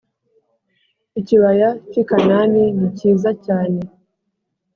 ikibaya cy i Kanani ni cyiza cyane